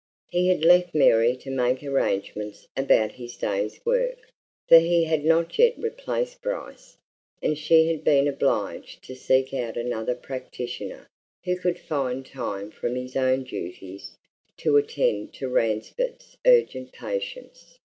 He had left Mary to make arrangements about his day's work, for he had not yet replaced Bryce, and she had been obliged to seek out another practitioner who could find time from his own duties to attend to Ransford's urgent patients.